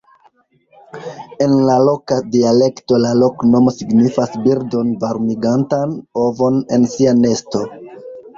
En la loka dialekto la loknomo signifas birdon varmigantan ovon en sia nesto.